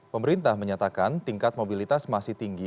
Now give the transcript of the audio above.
pemerintah menyatakan tingkat mobilitas masih tinggi